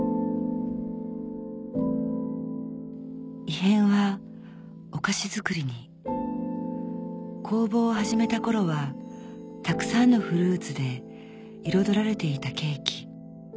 異変はお菓子作りに工房を始めた頃はたくさんのフルーツで彩られていたケーキ